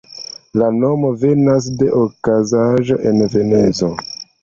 La nomo venas de okazaĵo en Genezo.